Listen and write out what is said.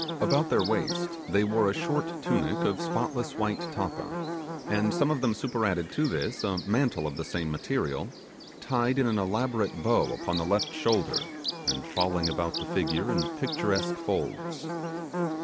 About their waist they wore a short tunic of spotless white tappa, and some of them super added to this a mantle of the same material, tied in an elaborate bow upon the left shoulder, and falling about the figure in picturesque folds.